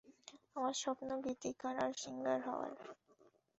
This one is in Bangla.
আমার স্বপ্ন গীতিকার আর সিঙ্গার হওয়ার।